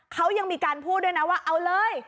เขายังมีการพูดด้วยนะว่าเอาเลย